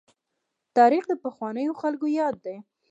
تاريخ د پخوانیو خلکو ياد دی.